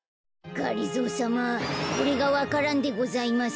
がりぞーさまこれがわか蘭でございます。